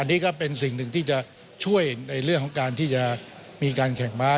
อันนี้ก็เป็นสิ่งหนึ่งที่จะช่วยในเรื่องของการที่จะมีการแข่งม้า